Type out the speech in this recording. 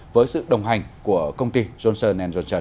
với sự đồng hành của công ty johnson johnson